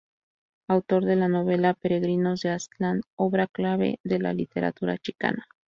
Autor de la novela "Peregrinos de Aztlán", obra clave de la literatura chicana.